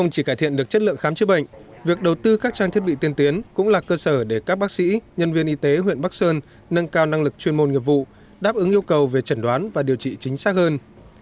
trên bệnh việc đầu tư các trang thiết bị tiên tiến cũng là cơ sở để các bác sĩ nhân viên y tế huyện bắc sơn nâng cao năng lực chuyên môn nghiệp vụ đáp ứng yêu cầu về chẩn đoán và điều trị chính xác hơn